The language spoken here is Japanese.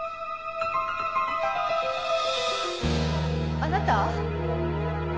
あなた？